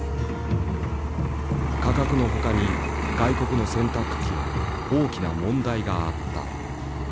価格の他に外国の洗濯機は大きな問題があった。